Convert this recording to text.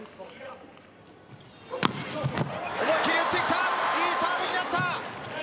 思いっきり打っていったいいサーブになった。